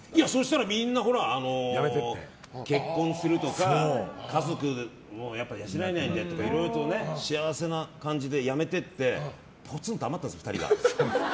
みんな結婚するとか家族養えないんでとかいろいろと幸せな感じでやめてってぽつんと余ったんです、２人が。